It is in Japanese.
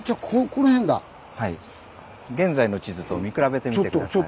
現在の地図と見比べてみて下さい。